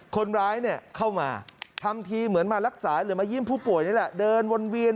คนร้ายเข้ามาทำทีเหมือนมารักษาหรือมาเยี่ยมผู้ป่วยนี่แหละเดินวนเวียน